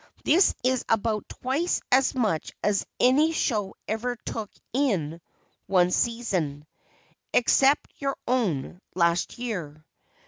This is about twice as much as any show ever took in one season, except your own, last year.